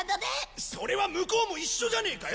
それは向こうも一緒じゃねえかよ。